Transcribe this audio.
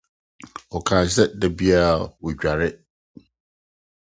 Ɔkae sɛ da biara ɔguare.